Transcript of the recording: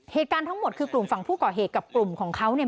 เหตุการณ์ทั้งหมดคือกลุ่มฝั่งผู้ก่อเหตุกับกลุ่มของเขาเนี่ย